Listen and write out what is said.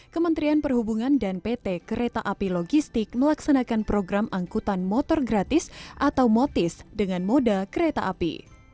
kementerian perhubungan dan pt kereta api logistik melaksanakan program angkutan motor gratis atau motis dengan moda kereta api